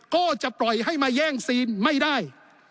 ก็จะปล่อยให้มาแย่งซีนไม่ได้